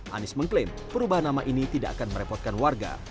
anies mengklaim perubahan nama ini tidak akan merepotkan warga